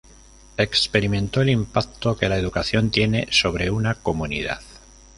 Experimentó el impacto que la educación tiene sobre una comunidad.